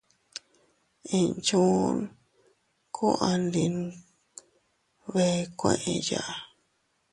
Inchuun kuu andi nbee kueʼeya.